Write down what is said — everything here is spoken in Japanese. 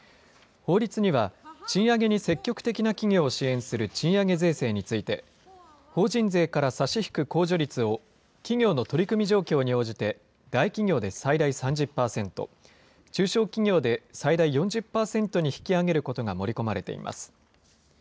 法律には、賃上げに積極的な企業を支援する賃上げ税制について、法人税から差し引く控除率を企業の取り組み状況に応じて大企業で最大３０％、中小企業で最大４０％に引き上げることが盛り込まれています。